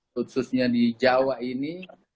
khususnya di jawa ini